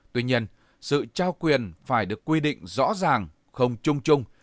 tuy nhiên sự trao quyền phải được quy định rõ ràng không trung trung